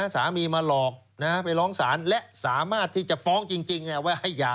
สามีมาหลอกไปร้องศาลและสามารถที่จะฟ้องจริงว่าให้หย่า